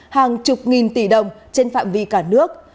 hàng chục nghìn tỷ đồng trên phạm vi cả nước